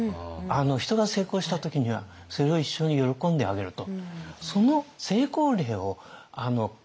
人が成功した時にはそれを一緒に喜んであげると。